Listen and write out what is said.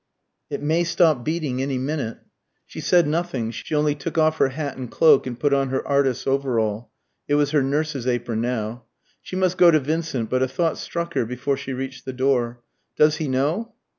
"It may stop beating any minute." She said nothing; she only took off her hat and cloak and put on her artist's overall, it was her nurse's apron now. She must go to Vincent. But a thought struck her before she reached the door. "Does he know?"